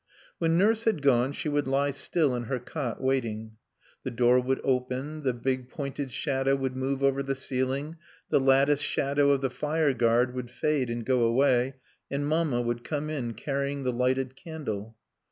When Nurse had gone she would lie still in her cot, waiting. The door would open, the big pointed shadow would move over the ceiling, the lattice shadow of the fireguard would fade and go away, and Mamma would come in carrying the lighted candle.